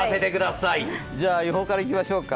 予報からいきましょうか。